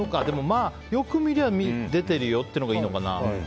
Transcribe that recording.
まあよく見りゃ出てるよっていうのがいいのかな。